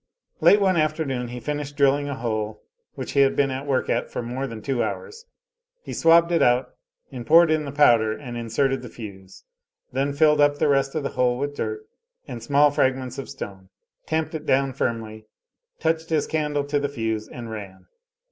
Late one afternoon he finished drilling a hole which he had been at work at for more than two hours; he swabbed it out, and poured in the powder and inserted the fuse; then filled up the rest of the hole with dirt and small fragments of stone; tamped it down firmly, touched his candle to the fuse, and ran.